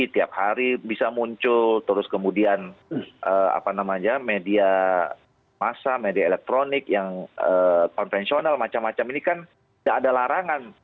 tiap hari bisa muncul terus kemudian media masa media elektronik yang konvensional macam macam ini kan tidak ada larangan